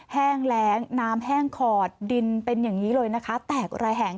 แห้งแรงน้ำแห้งขอดดินเป็นอย่างนี้เลยนะคะแตกระแหง